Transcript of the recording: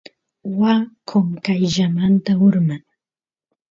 waa qonqayllamanta urman